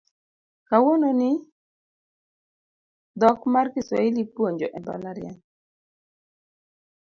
Kawuono ni dhok mar Kiswahili ipuonjo e mbalariany